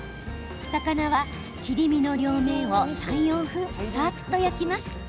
魚は切り身の両面を３、４分さっと焼きます。